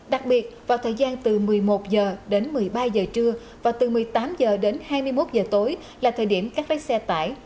đặc biệt vào thời gian từ một mươi một h đến một mươi ba h trưa và từ một mươi tám h đến hai mươi một h tối là thời điểm các vách xe tải